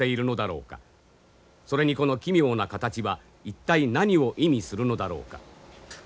それにこの奇妙な形は一体何を意味するのだろうか。